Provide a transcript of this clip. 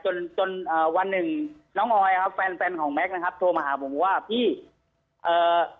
จนจนเอ่อวันหนึ่งน้องออยครับแฟนแฟนของแก๊กนะครับโทรมาหาผมว่าพี่เอ่อ